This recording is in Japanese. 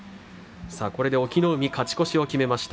これで隠岐の海勝ち越しを決めました。